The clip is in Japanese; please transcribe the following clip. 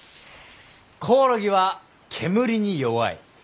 コオロギは煙に弱い。